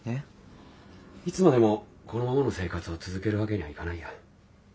いつまでもこのままの生活を続けるわけにはいかないよ。